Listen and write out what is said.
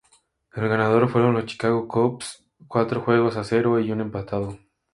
El ganador fueron los Chicago Cubs cuatro juegos a cero y un empatado.